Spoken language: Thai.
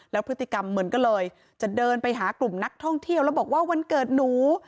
แล้วพฤติกรรมเหมือนก็เลยจะเดินไปหากลุ่มนักท่องเที่ยวแล้วบอกว่าวันเกิดหนู